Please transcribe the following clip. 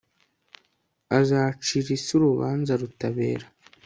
azacira isi urubanza rutabera